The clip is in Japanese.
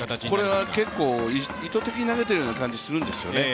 これは結構、意図的に投げているような感じがするんですよね。